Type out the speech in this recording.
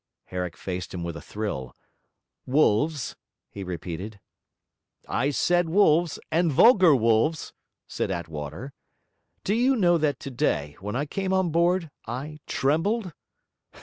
Herrick faced him with a thrill. 'Wolves?' he repeated. 'I said wolves and vulgar wolves,' said Attwater. 'Do you know that today, when I came on board, I trembled?'